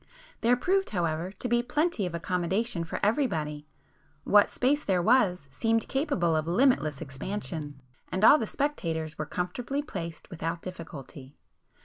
There proved however, to be plenty of accommodation for everybody,—what space there was seemed capable of limitless expansion, and all the spectators were comfortably placed without difficulty.